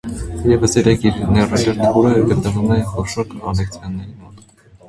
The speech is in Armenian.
Եվս երեք իր՝ ներառյալ թուրը, գտնվում են խոշոր կոլեկցիոների մոտ։